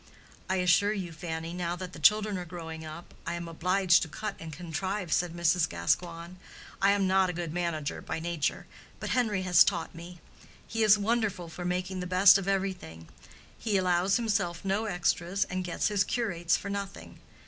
"I assure you, Fanny, now that the children are growing up, I am obliged to cut and contrive," said Mrs. Gascoigne. "I am not a good manager by nature, but Henry has taught me. He is wonderful for making the best of everything; he allows himself no extras, and gets his curates for nothing.